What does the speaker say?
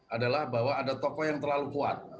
adalah bahwa ada tokoh yang terpengaruh